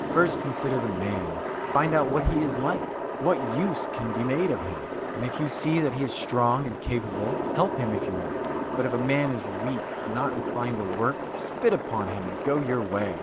First consider the man, find out what he is like, what use can be made of him; and if you see that he is a strong and capable man, help him if you like. But if a man is weak, not inclined to work spit upon him and go your way.